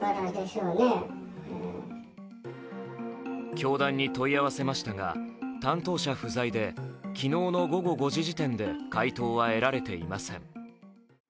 教団に問い合わせましたが担当者不在で昨日の午後５時時点で回答は得られていません。